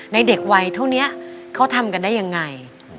เด็กวัยเท่านี้เขาทำกันได้ยังไง